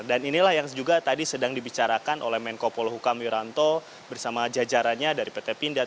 dan inilah yang juga tadi sedang dibicarakan oleh menko poluhukam wiranto bersama jajarannya dari pt pindad